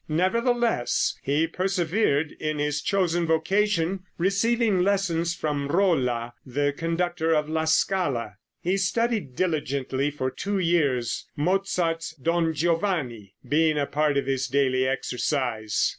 Nevertheless, he persevered in his chosen vocation, receiving lessons of Rolla, the conductor of La Scala. He studied diligently for two years, Mozart's "Don Giovanni" being a part of his daily exercise.